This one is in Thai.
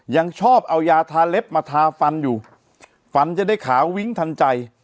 ยังชอบเอายาทาเล็บมาทาฟันอยู่ฟันจะได้ขาวิ้งทันใจ